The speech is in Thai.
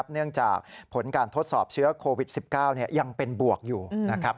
เนื่องจากผลการทดสอบเชื้อโควิด๑๙ยังเป็นบวกอยู่นะครับ